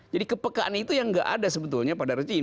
jadi kepekaan itu yang tidak ada sebetulnya pada rezim